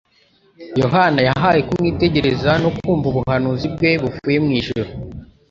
Yohana yahawe kumwitegereza no kumva ubuhanuzi bwe buvuye mu ijuru,